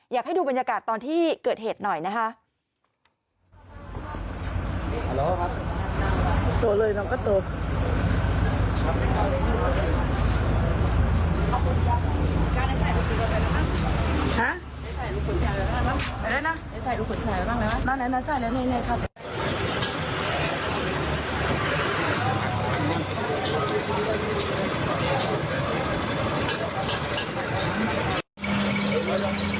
อยากให้ดูบรรยากาศตอนที่เกิดเหตุหน่อยนะคะ